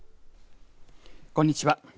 こんにちは。